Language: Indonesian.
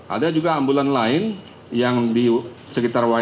ada juga ambulan lain yang di sekitar white house